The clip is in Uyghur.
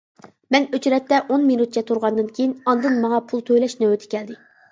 مەن ئۆچرەتتە ئون مىنۇتچە تۇرغاندىن كېيىن ئاندىن ماڭا پۇل تۈلەش نۆۋىتى كەلدى.